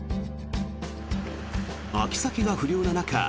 秋サケが不漁な中